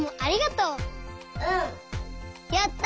やった！